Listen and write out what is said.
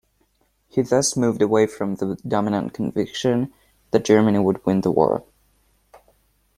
He thus moved away from the dominant conviction that Germany would win the war.